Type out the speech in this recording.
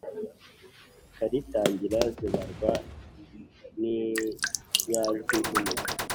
ikaritangira zibarwa nk’inyajwi imwe